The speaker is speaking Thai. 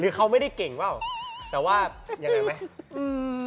หรือเขาไม่ได้เก่งเปล่าแต่ว่าอย่างไรไหม